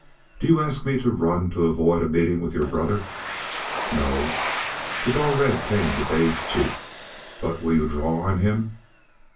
"Do you ask me to run to avoid a meeting with your brother?" "No." The dull red came to Dave's cheek. "But will you draw on him?"